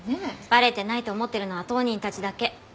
バレてないと思ってるのは当人たちだけ。